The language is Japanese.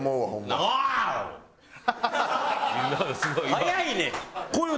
早いねん！